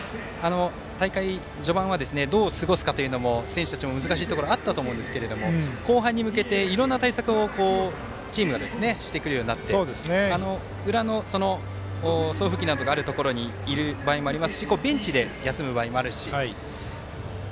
大会序盤はどう過ごすかというのも選手たちも難しいところがあったと思うんですけれども後半に向けて、いろんな対策をチームがしてくるようになって裏の送風機などがある場合もありますしベンチで休む場合もあるし。